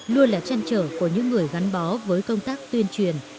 luôn là chăn trở của những người gắn bó với công tác tuyên truyền